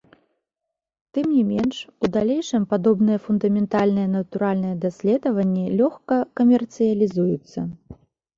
Тым не менш, у далейшым падобныя фундаментальныя натуральныя даследаванні лёгка камерцыялізуюцца.